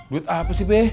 duit apa sih be